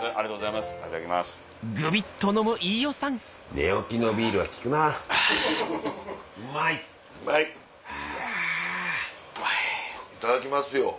いただきますよ